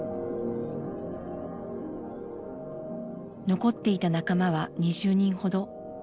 残っていた仲間は２０人ほど。